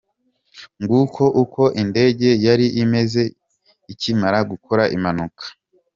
nguko uko indege yari imeze ikimara gukora impanuka.